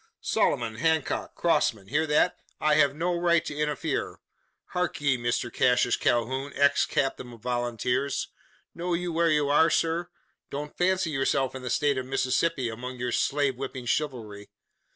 Sloman! Hancock! Crossman! hear that? I have no right to interfere! Hark ye, Mr Cassius Calhoun, ex captain of volunteers! Know you where you are, sir? Don't fancy yourself in the state of Mississippi among your slave whipping chivalry.